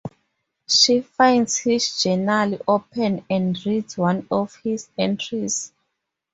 She finds his journal open and reads one of his entries.